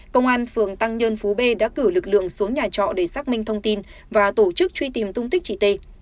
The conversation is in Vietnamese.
công an phường tăng nhân phú b đã cử lực lượng xuống nhà trọ để xác minh thông tin và tổ chức truy tìm tung tích chị t